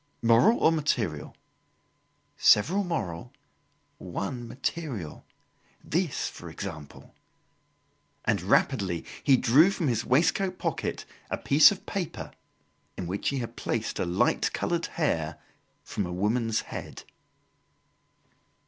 "Moral or material?" "Several moral, one material. This, for example." And rapidly he drew from his waistcoat pocket a piece of paper in which he had placed a light coloured hair from a woman's head.